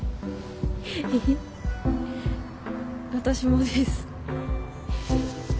私もです。